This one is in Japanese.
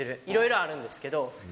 いろいろあるんですけど。